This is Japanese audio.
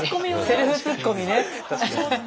セルフツッコミ上手ね。